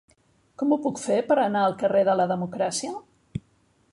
Com ho puc fer per anar al carrer de la Democràcia?